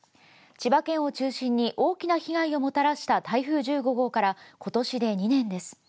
千葉県を中心に大きな被害をもたらした台風１５号から今年で２年です。